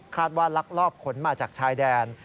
ว่าลักลอบขนมาจากชายแดน